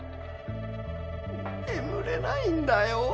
眠れないんだよ